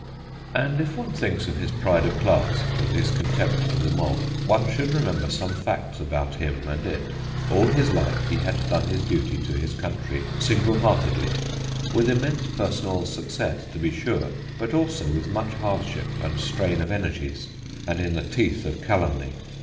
And if one thinks of his pride of class, of his contempt for the mob, one should re member some facts about him and it. All his life he had done his duty to his country single heartedly, with immense personal 168 THE GHOSTS OF PICCADILLY success, to be sure, but also with much hardship and strain of energies, and in the teeth of calumny.